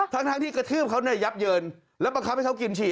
ทั้งที่กระทืบเขาเนี่ยยับเยินแล้วบังคับให้เขากินฉี่